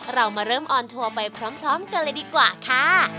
เรามาเริ่มออนทัวร์ไปพร้อมกันเลยดีกว่าค่ะ